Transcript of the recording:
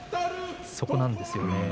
そこなんですね。